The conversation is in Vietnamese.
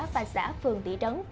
và xã phường thị trấn